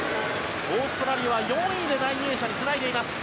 オーストラリアは４位で第２泳者につないでいます。